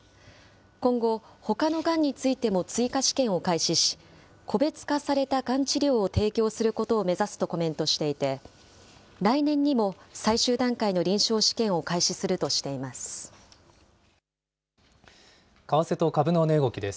今後、ほかのがんについても追加試験を開始し、個別化されたがん治療を提供することを目指すとコメントしていて、来年にも最終段階の臨床試験を開始するとしています。